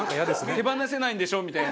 手放せないんでしょみたいな。